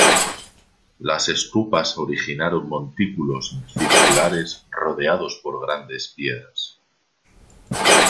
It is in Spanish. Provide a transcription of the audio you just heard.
Las Estupas originaron montículos circulares rodeados por grandes piedras.